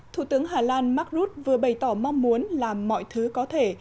thủ tướng hà lan mark rutte vừa bày tỏ mong muốn làm mọi thứ có thể